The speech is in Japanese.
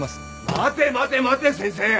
待て待て待て先生！